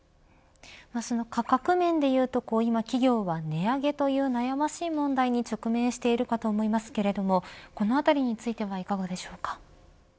その価格面でいうと今企業は値上げという悩ましい問題に直面しているかと思いますけれどもこのあたりについてはいかがでしょうか。